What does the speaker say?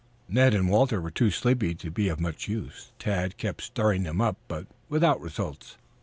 Ned and Walter were too sleepy to be of much use. Tad kept stirring them up, but without results.